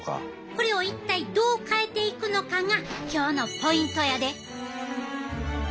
これを一体どう変えていくのかが今日のポイントやで！